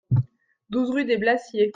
douze rue des Blassiers